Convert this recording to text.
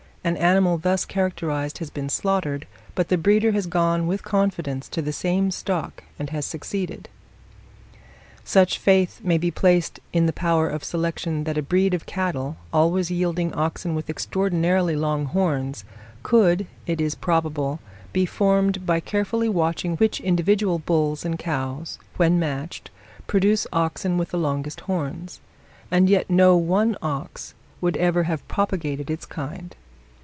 An animal thus characterized has been slaughtered, but the breeder has gone with confidence to the same stock and has succeeded. Such faith may be placed in the power of selection that a breed of cattle, always yielding oxen with extraordinarily long horns, could, it is probable, be formed by carefully watching which individual bulls and cows, when matched, produced oxen with the longest horns; and yet no one ox would ever have propagated its kind.